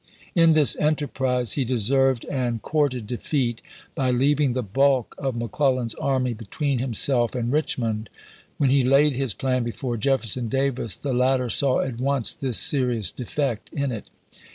In this enterprise he deserved and courted defeat by leaving the bulk of McClellan's army between himself and Rich mond. When he laid his plan before Jefferson Davis, the latter saw at once this serious defect in it.